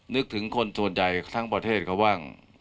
นึกถึงคนส่วนใหญ่ทั้งประเทศเขาบ้าง